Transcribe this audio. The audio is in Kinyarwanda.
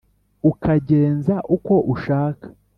ukangenza uko ushaka